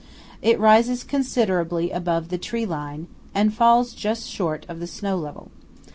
It rises considerably above the tree line, and just falls short of the snow level.